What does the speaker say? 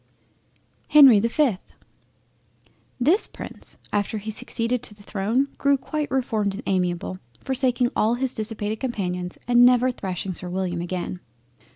HENRY the 5th This Prince after he succeeded to the throne grew quite reformed and amiable, forsaking all his dissipated companions, and never thrashing Sir William again.